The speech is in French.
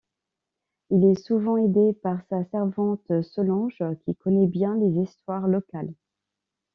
Il est souvent aidé par sa servante Solange qui connait bien les histoires locales.